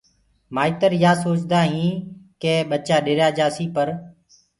مآئيتر يآ سوچدآ هين ڪي ٻچآ ڏريآ جآسي پر